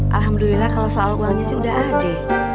alhamdulillah kalo soal uangnya sih udah ada